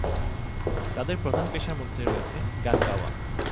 তাদের প্রধান পেশার মধ্য রয়েছে গান গাওয়া।